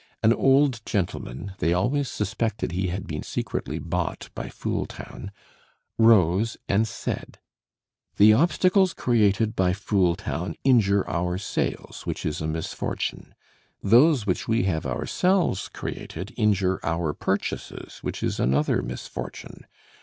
An old gentleman (they always suspected he had been secretly bought by Fooltown) rose and said: "The obstacles created by Fooltown injure our sales, which is a misfortune. Those which we have ourselves created injure our purchases, which is another misfortune.